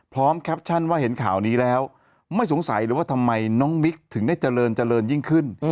แคปชั่นว่าเห็นข่าวนี้แล้วไม่สงสัยเลยว่าทำไมน้องมิ๊กถึงได้เจริญเจริญยิ่งขึ้น